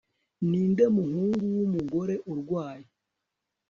Ninde muhungu wumugore urwaye